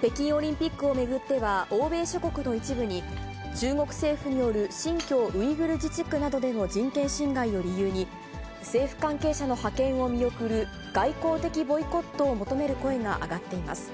北京オリンピックを巡っては、欧米諸国の一部に、中国政府による新疆ウイグル自治区などでの人権侵害を理由に、政府関係者の派遣を見送る外交的ボイコットを求める声が上がっています。